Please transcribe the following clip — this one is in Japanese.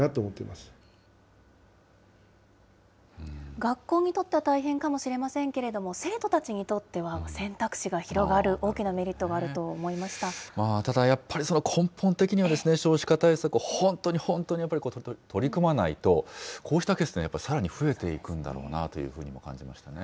学校にとっては大変かもしれませんけど、生徒たちにとっては選択肢が広がる、大きなメリットがあると思いただやっぱり、根本的には少子化対策、本当に本当にやっぱり取り組まないと、こうしたケースね、さらに増えていくんだろうなというふうにも感じましたね。